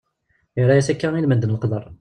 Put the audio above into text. Yerra-as akka ilmend n leqder.